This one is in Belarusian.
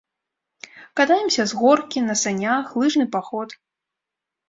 Катаемся з горкі, на санях, лыжны паход.